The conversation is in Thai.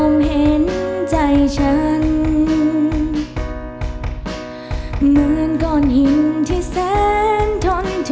ฟาร์ท